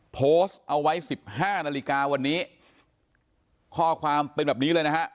โพสต์เอาไว้สิบห้านาฬิกาวันนี้ข้อความเป็นแบบนี้เลยนะฮะ